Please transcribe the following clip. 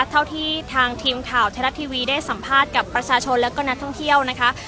เท่าที่ทางทีมข่าวไทยรัฐทีวีได้สัมภาษณ์กับประชาชนและก็นักท่องเที่ยวนะคะ